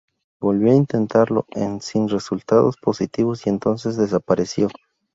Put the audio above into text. Volvió a intentarlo en sin resultados positivos y entonces desapareció.